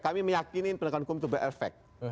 kami meyakini penegakan hukum itu berefek